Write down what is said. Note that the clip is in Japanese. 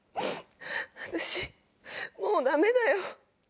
私もうダメだよ。